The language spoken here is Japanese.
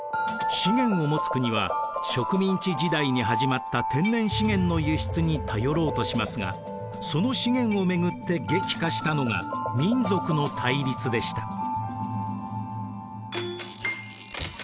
資源を持つ国は植民地時代に始まった天然資源の輸出に頼ろうとしますがその資源をめぐって激化したのが民族の対立でした。